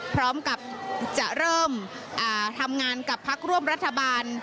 พร้อมกับจะเริ่มทำงานกับพักร่วมรัฐบาล